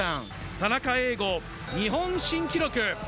田中映伍、日本新記録。